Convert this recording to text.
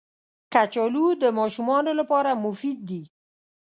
کچالو د ماشومانو لپاره مفید دي